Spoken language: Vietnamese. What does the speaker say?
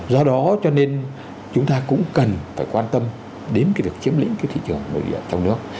do đó cho nên chúng ta cũng cần phải quan tâm đến việc chiếm lĩnh thị trường